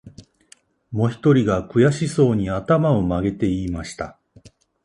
もひとりが、くやしそうに、あたまをまげて言いました